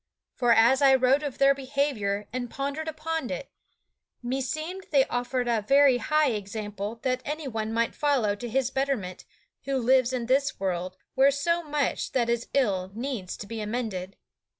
For as I wrote of their behavior and pondered upon it, meseemed they offered a very high example that anyone might follow to his betterment who lives in this world where so much that is ill needs to be amended.